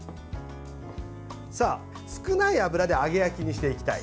さあ、少ない油で揚げ焼きにしていきたい。